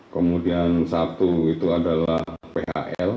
kemudian satu itu adalah phl